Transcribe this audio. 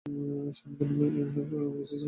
শন Bean এবং Ian McKellen অনুপস্থিত ছিলেন।